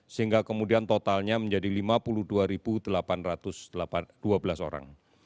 sehingga kemudian totalnya menjadi lima puluh dua delapan ratus dua belas orang